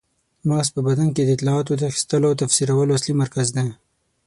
مغز په بدن کې د اطلاعاتو د اخیستلو او تفسیرولو اصلي مرکز دی.